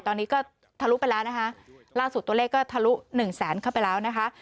ตอนนี้ก็ทะลุไปแล้วนะคะล่าสุดตัวเลขก็ทะลุหนึ่งแสนเข้าไปแล้วนะคะ